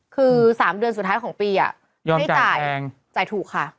คือ๓เดือนสุดท้ายของปีให้จ่ายจ่ายถูกค่ะ